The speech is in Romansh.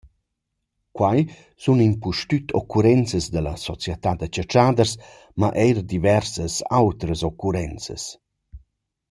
Quai sun impustüt occurrenzas da la società da chatschaders, ma eir diversas otras occurenzas.